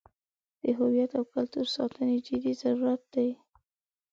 د هویت او کلتور ساتنې جدي ضرورت دی.